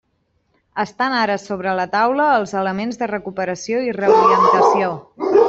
Estan ara sobre la taula els elements de recuperació i reorientació.